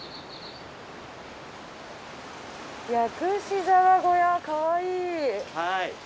薬師沢小屋かわいい。